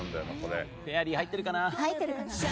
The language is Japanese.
フェアリー入ってるかな？